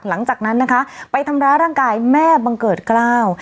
หลังจากนั้นทำร้าด้านกายแม่บังเกิดกล้าว